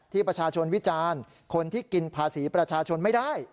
ประชาชนวิจารณ์คนที่กินภาษีประชาชนไม่ได้